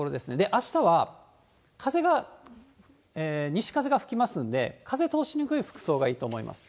あしたは風が、西風が吹きますんで、風を通しにくい服装がいいと思います。